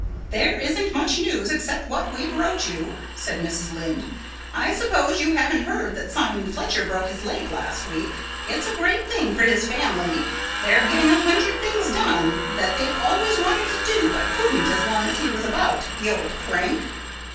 "There isn't much news except what we've wrote you," said Mrs. Lynde. "I suppose you haven't heard that Simon Fletcher broke his leg last week. It's a great thing for his family. They're getting a hundred things done that they've always wanted to do but couldn't as long as he was about, the old crank."